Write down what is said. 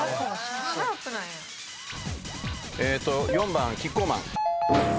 えーっと４番キッコーマン。